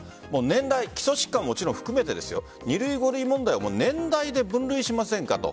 年代、基礎疾患も含めて２類・５類問題を年代で分類しませんかと。